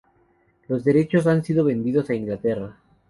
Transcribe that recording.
Los derechos han sido vendidos a Inglaterra.